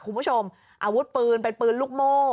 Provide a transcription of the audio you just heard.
คุณผู้ชมอาวุธปืนเป็นปืนลูกโม่